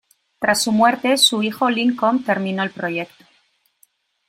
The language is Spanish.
Tras su muerte, su hijo Lincoln terminó el proyecto.